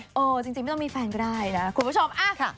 เออจริงไม่ต้องมีแฟนก็ได้นะคุณผู้ชม